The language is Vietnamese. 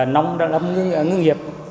nông nông nghiệp